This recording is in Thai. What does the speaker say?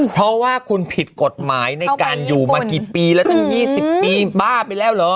เพราะว่าคุณผิดกฎหมายในการอยู่มากี่ปีแล้วตั้ง๒๐ปีบ้าไปแล้วเหรอ